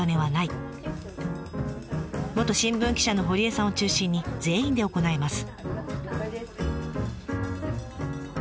元新聞記者の堀江さんを中心に全員で行います。